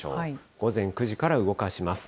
午前９時から動かします。